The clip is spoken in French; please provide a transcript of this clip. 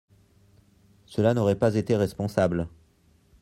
Cela n’aurait pas été responsable.